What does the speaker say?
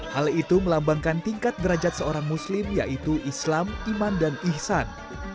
hal itu melambangkan tingkat derajat seorang muslim yaitu islam iman dan ihsan